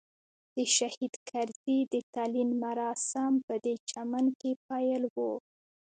د شهید کرزي د تلین مراسم پدې چمن کې پیل وو.